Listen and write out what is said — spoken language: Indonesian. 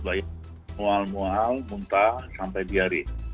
baik mual mual muntah sampai diare